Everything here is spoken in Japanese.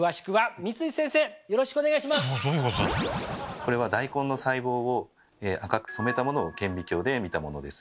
これは大根の細胞を赤く染めたものを顕微鏡で見たものです。